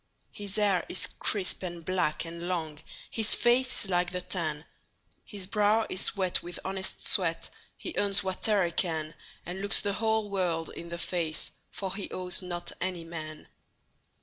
His hair is crisp, and black, and long, His face is like the tan; His brow is wet with honest sweat, He earns whate'er he can, And looks the whole world in the face, For he owes not any man.